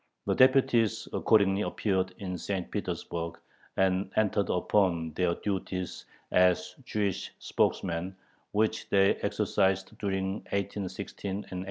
The deputies accordingly appeared in St. Petersburg, and entered upon their duties as Jewish spokesmen, which they exercised during 1816 and 1817.